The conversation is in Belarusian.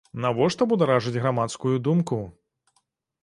Навошта бударажыць грамадскую думку?